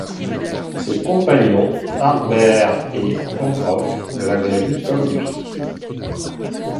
Ses compagnons, Harbert et Pencroff, l’avaient vu comme lui